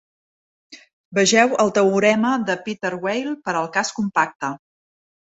Vegeu el teorema de Peter-Weyl per al cas compacte.